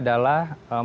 pada saat ini